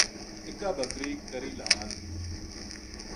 اِکا بکری کری لہال